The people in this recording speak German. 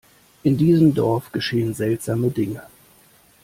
In diesem Dorf geschehen seltsame Dinge!